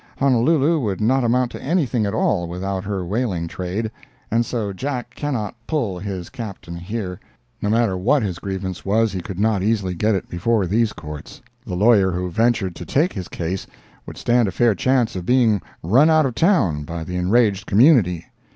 Honolulu would not amount to anything at all without her whaling trade, and so Jack cannot "pull" his Captain here—no matter what his grievance was, he could not easily get it before these Courts; the lawyer who ventured to take his case would stand a fair chance of being run out of town by the enraged community.